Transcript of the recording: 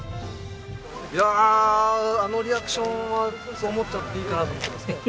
いやああのリアクションはそう思っちゃっていいかなって思ってますけど。